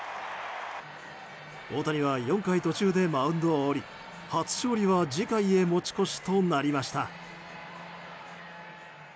大谷は４回途中でマウンドを降り初勝利は次回へ持ち越しとなりました。